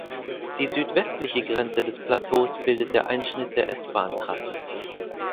Die südwestliche Grenze des Plateaus bildet der Einschnitt der S-Bahn-Trasse.